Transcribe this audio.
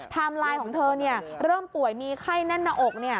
ไลน์ของเธอเริ่มป่วยมีไข้แน่นหน้าอก